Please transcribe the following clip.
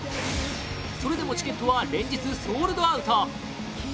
それでもチケットは連日ソールドアウト